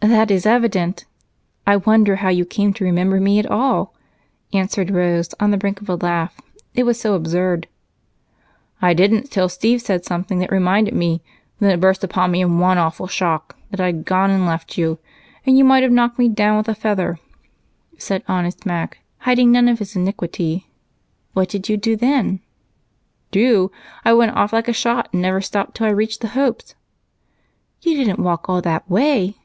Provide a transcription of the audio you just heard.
"That is evident. I wonder how you came to remember me at all," answered Rose, on the brink of a laugh it was so absurd. "I didn't till Steve said something that reminded me then it burst upon me, in one awful shock, that I'd gone and left you, and you might have knocked me down with a feather," said honest Mac, hiding none of his iniquity. "What did you do then?" "Do! I went off like a shot and never stopped till I reached the Hopes'" "You didn't walk all the way?"